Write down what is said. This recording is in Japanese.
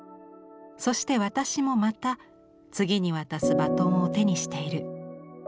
そして私もまた次に渡すバトンを手にしている。